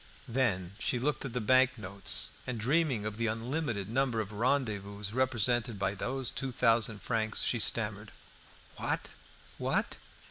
Then she looked at the bank notes, and dreaming of the unlimited number of rendezvous represented by those two thousand francs, she stammered "What! what!"